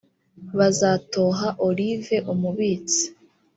Bazatoha Olive umubitsi